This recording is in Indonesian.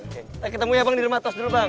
kita ketemunya bang di rumah atas dulu bang